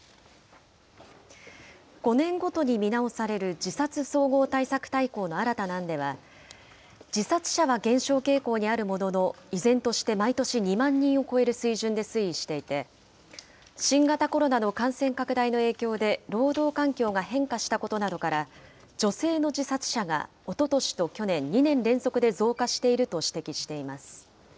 ５年ごとに見直される自殺総合対策大綱の新たな案では、自殺者は減少傾向にあるものの、依然として毎年２万人を超える水準で推移していて、新型コロナの感染拡大の影響で、労働環境が変化したことなどから、女性の自殺者がおととしと去年、２年連続で増加していると指摘しています。